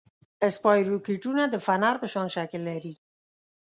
اسپایروکیټونه د فنر په شان شکل لري.